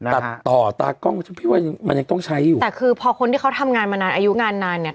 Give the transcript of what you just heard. ตัดต่อตากล้องฉันพี่ว่ามันยังต้องใช้อยู่แต่คือพอคนที่เขาทำงานมานานอายุงานนานเนี่ย